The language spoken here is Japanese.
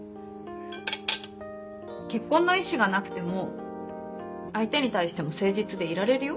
結婚の意思がなくても相手に対しても誠実でいられるよ。